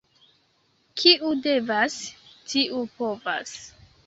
Kiu devas, tiu povas.